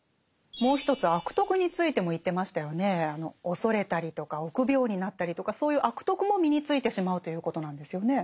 恐れたりとか臆病になったりとかそういう「悪徳」も身についてしまうということなんですよね。